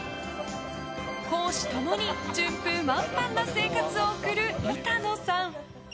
公私共に順風満帆な生活を送る板野さん。